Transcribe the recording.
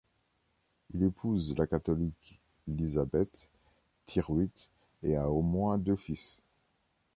Il épouse la catholique lizabeth Tyrwhitt et a au moins deux fils.